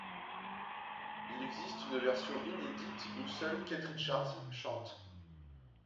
Il existe une version inédite où seul Keith Richards chante.